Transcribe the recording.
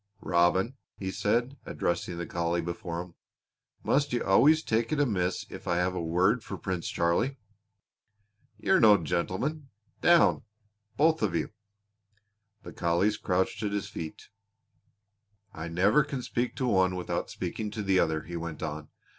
"Robin," he said, addressing the collie before him, "must you always take it amiss if I have a word for Prince Charlie? You're no gentleman! Down, both of you!" The collies crouched at his feet. "I never can speak to one without speaking to the other," he went on.